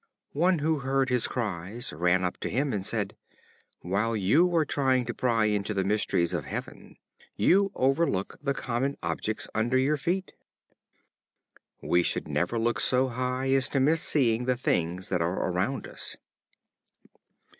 One who heard his cries ran up to him, and said: "While you are trying to pry into the mysteries of heaven, you overlook the common objects under your feet." We should never look so high as to miss seeing the things that are around us.